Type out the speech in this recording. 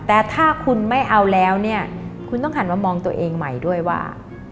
แต่ถ้าคุณไม่เอาแล้วเนี่ยคุณต้องหันมามองตัวเองใหม่ด้วยว่า